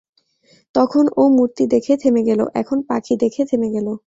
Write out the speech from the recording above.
তখন ও মূর্তি দেখে থেমে গেল, এখন পাখি দেখে থেমে গেল।